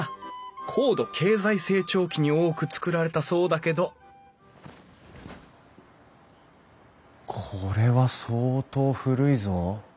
高度経済成長期に多く造られたそうだけどこれは相当古いぞ。